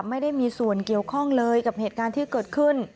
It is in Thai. ไม่ได้มีส่วนเกี่ยวข้องเลยกับเหตุการณ์ที่เกิดขึ้น